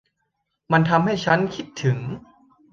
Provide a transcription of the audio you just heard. มันทำให้ฉันคิดถึง